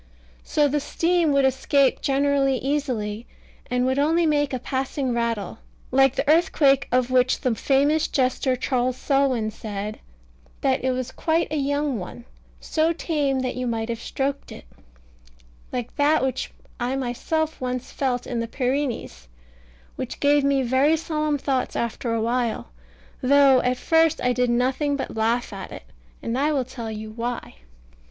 So the steam would escape generally easily, and would only make a passing rattle, like the earthquake of which the famous jester Charles Selwyn said that it was quite a young one, so tame that you might have stroked it; like that which I myself once felt in the Pyrenees, which gave me very solemn thoughts after a while, though at first I did nothing but laugh at it; and I will tell you why.